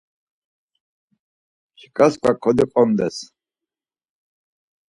Mtsika çkva kodiqondes.